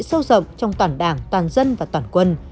sâu rộng trong toàn đảng toàn dân và toàn quân